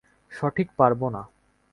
সঠিক পারবো না।